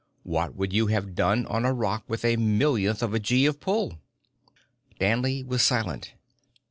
What would you have done on a rock with a millionth of a gee of pull?" Danley was silent.